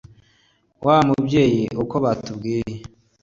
wa mu byiye uko batubwiye